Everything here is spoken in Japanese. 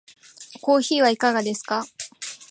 コーヒーはいかがですか？